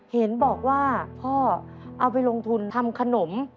เห็นบอกว่าพ่อเอาไปลงทุนทำขนม